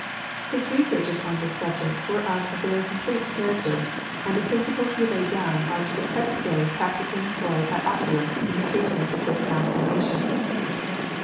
His researches on this subject were of a very complete character, and the principles he laid down are to the present day practically employed by oculists in the treatment of this malformation.